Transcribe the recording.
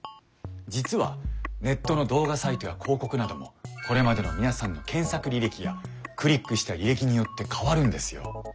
実はネットの動画サイトや広告などもこれまでの皆さんの検索履歴やクリックした履歴によって変わるんですよ。